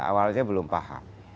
awalnya belum paham